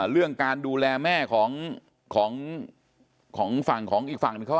เรื่องการดูแลแม่ของฝั่งของอีกฝั่ง